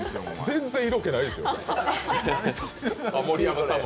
全然色気ないですよ。